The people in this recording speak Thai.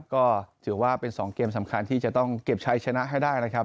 ก็ถือว่าเป็น๒เกมสำคัญที่จะต้องเก็บใช้ชนะให้ได้นะครับ